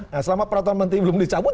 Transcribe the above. nah selama peraturan menteri belum dicabut